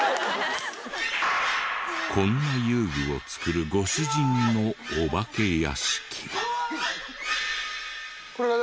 こんな遊具を作るご主人のお化け屋敷が。